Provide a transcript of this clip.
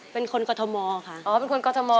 เป็นคนกรทมค่ะอ๋อเป็นคนกรทม